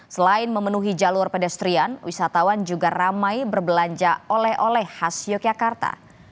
selain memenuhi jalur pedestrian wisatawan juga ramai berbelanja oleh oleh khas yogyakarta